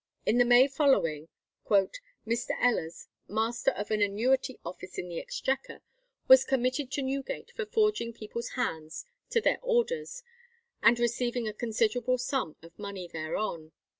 In the May following "Mr. Ellers, master of an annuity office in the Exchequer, was committed to Newgate for forging people's hands to their orders, and receiving a considerable sum of money thereon."